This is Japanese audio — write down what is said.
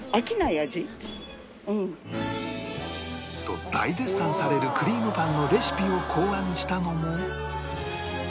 と大絶賛されるクリームパンのレシピを考案したのも